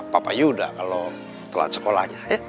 papa yuda kalo telat sekolahnya